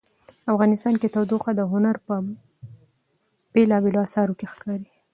افغانستان کې تودوخه د هنر په بېلابېلو اثارو کې ښکاري.